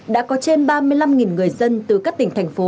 đã có trên ba mươi năm người dân từ các tỉnh thành phố